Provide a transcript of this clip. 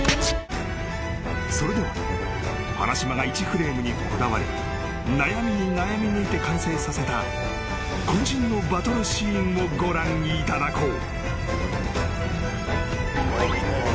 ［それでは原島が１フレームにこだわり悩みに悩みぬいて完成させた渾身のバトルシーンをご覧いただこう］